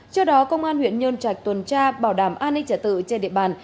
trước đó công an huyện nhân trạch tuần tra bảo đảm an ninh trả tự trên địa bàn